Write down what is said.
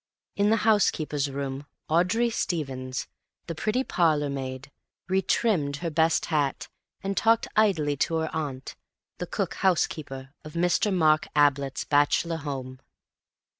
In the housekeeper's room Audrey Stevens, the pretty parlour maid, re trimmed her best hat, and talked idly to her aunt, the cook housekeeper of Mr. Mark Ablett's bachelor home.